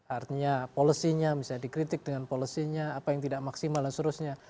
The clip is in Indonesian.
artinya polosinya bisa dikritik dengan polosinya apa yang tidak maksimal dan sebagainya